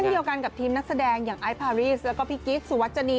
เดียวกันกับทีมนักแสดงอย่างไอซพารีสแล้วก็พี่กิ๊กสุวัชนี